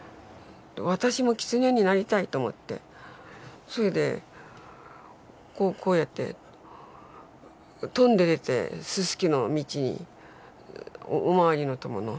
私もキツネになりたいと思ってそれでこうやって跳んで出てススキの道に大廻りの塘の。